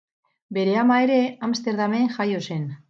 Bere ama ere, Amsterdamen jaio zen.